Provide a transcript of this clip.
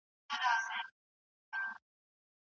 که شهادتنامه وي نو حق نه ضایع کیږي.